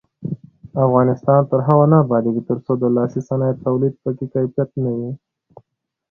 افغانستان تر هغو نه ابادیږي، ترڅو د لاسي صنایعو تولید په کیفیت نه وي.